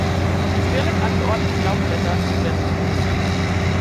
Die quirlig angeordneten Laubblätter sind glänzend grün.